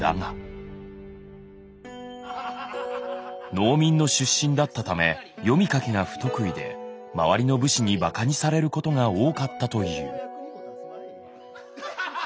農民の出身だったため読み書きが不得意で周りの武士にばかにされることが多かったという。